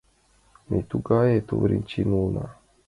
Ме тугае тувырым чиен улына.